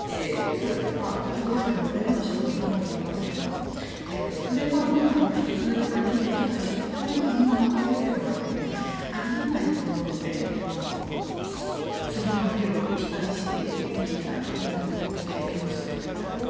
教科書に載るような仕事になると思いますけどもそれが、どうなのか引き続き見ていきたいしここで国が負けるというのはあり得ないと思うので次の手を期待して見ていきたいなと思っています。